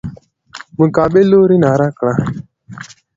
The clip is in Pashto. مقابل لوري ناره کړه.